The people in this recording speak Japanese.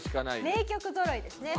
名曲ぞろいですね。